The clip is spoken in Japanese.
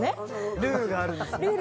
ルールがあるんですね。